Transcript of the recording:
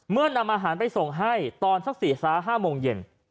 เมื่อนำอาหารไปส่งให้ตอนฮศ๕มเย็น